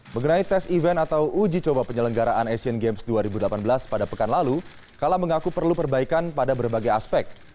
mengenai tes event atau uji coba penyelenggaraan asian games dua ribu delapan belas pada pekan lalu kala mengaku perlu perbaikan pada berbagai aspek